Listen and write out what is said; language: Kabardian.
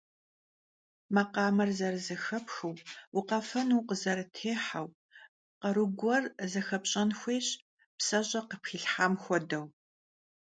Makhamer zerızexepxıu, vukhefenu vukhızerıtêheu kharu guer zıxepş'en xuêyş, pseş'e khıpxıham xuedeu.